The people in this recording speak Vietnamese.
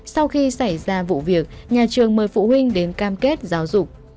sau khi xảy ra vụ việc nhà trường mời phụ huynh đến cam kết giáo dục